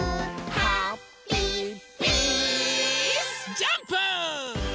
ジャンプ！